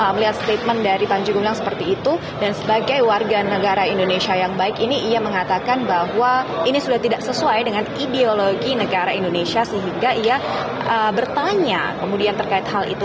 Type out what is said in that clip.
melihat statement dari panji gumilang seperti itu dan sebagai warga negara indonesia yang baik ini ia mengatakan bahwa ini sudah tidak sesuai dengan ideologi negara indonesia sehingga ia bertanya kemudian terkait hal itu